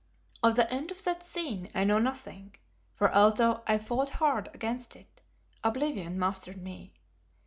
Of the end of that scene I know nothing, for although I fought hard against it, oblivion mastered me.